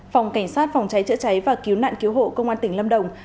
phòng cảnh sát phòng cháy chữa cháy và cứu nạn cứu hộ công an tỉnh lâm đồng